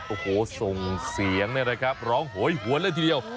โอ้โหทรงเสียงนะครับร้องหวยหวนเลยทีเดียว